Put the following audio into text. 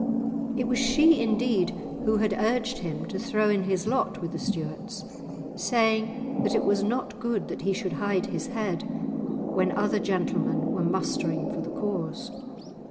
It was she indeed who had urged him to throw in his lot with the Stuarts, saying that it was not good that he should hide his head when other gentlemen were mustering for the cause.